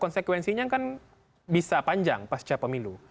konsekuensinya kan bisa panjang pasca pemilu